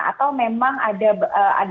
atau memang ada kondisi komunikasi